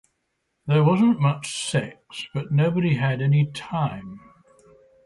There wasn't much sex, but nobody had any time.